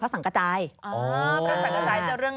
พระสังกะจายเนี่ยภาษาจริงเขาเรียกว่าปูกุ้ยฮุก